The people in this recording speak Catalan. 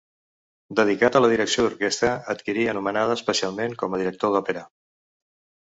Dedicat a la direcció d'orquestra, adquirí anomenada especialment com a director d'òpera.